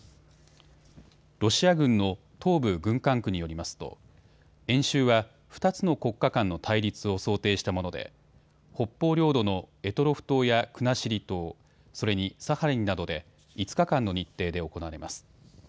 ロシア軍の東部軍管区によりますと演習は２つの国家間の対立を想定したもので北方領土の択捉島や国後島、それにサハリンなどで５日間の日程で行われます。